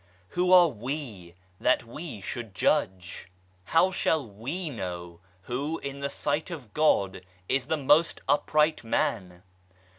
Who are we that we should judge ? How shall we know who, in the Sight of God, is the most upright man